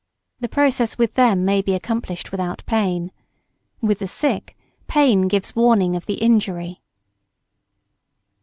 The process with them may be accomplished without pain. With the sick, pain gives warning of the injury.